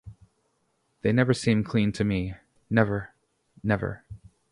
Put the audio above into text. They never seem clean to me: never, never.